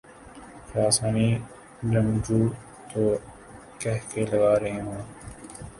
خراسانی جنگجو تو قہقہے لگارہے ہوں۔